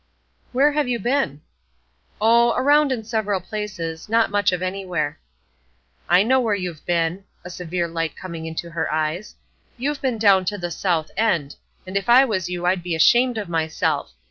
"Where have you been?" "Oh, around in several places; not much of anywhere." "I know where you've been," a severe light coming into her eyes; "you've been down to the South End, and if I was you I'd be ashamed of myself!